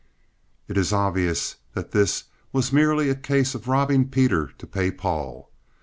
It is obvious that this was merely a case of robbing Peter to pay Paul.